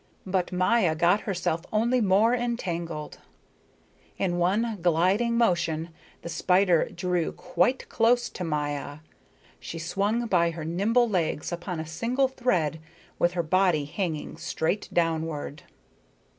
But Maya got herself only more entangled. In one gliding motion the spider drew quite close to Maya. She swung by her nimble legs upon a single thread with her body hanging straight downward.